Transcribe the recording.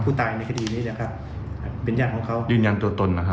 ผู้ตายของเขาก็ยืนยันตัวตนนะครับ